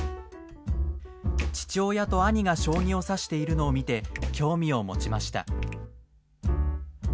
父親と兄が将棋を指しているのを見て興味を持ちました。